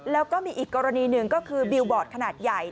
แล้วก็มีอีกกรณีหนึ่งก็คือบิลบอร์ดขนาดใหญ่